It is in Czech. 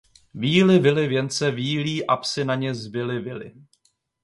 Víly vily věnce vílí, a psi na ně z vily vyli.